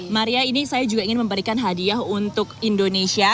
maria ini saya juga ingin memberikan hadiah untuk indonesia